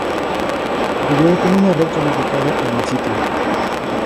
Vídeo con una red calificada en el sitio.